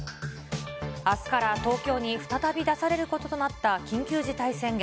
あすから東京に再び出されることとなった緊急事態宣言。